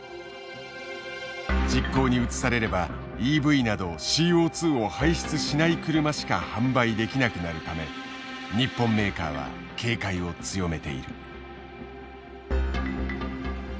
実行に移されればＥＶなどＣＯを排出しない車しか販売できなくなるため日本メーカーは警戒を強めている。